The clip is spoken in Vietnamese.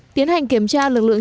tiến hành kiểm tra lực lượng